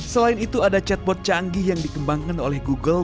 selain itu ada chatbot canggih yang dikembangkan oleh google